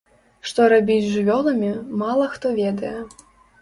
Што рабіць з жывёламі, мала хто ведае.